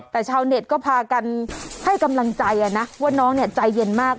แต่ชาวเน็ตก็พากันให้กำลังใจนะว่าน้องเนี่ยใจเย็นมาก